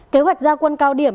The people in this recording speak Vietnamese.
kế hoạch ra quân cao điểm